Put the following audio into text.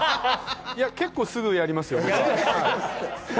結構すぐにやりますよ。